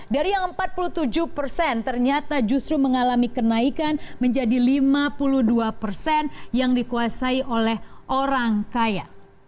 dari yang empat puluh tujuh persen ternyata justru mengalami kenaikan menjadi lima puluh dua persen yang dikuasai oleh orang kaya